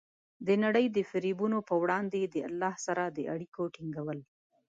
د نړۍ د فریبونو په وړاندې د الله سره د اړیکو ټینګول.